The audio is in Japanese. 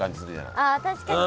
あ確かに。